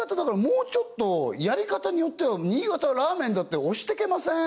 もうちょっとやり方によっては新潟ラーメンだって推してけません？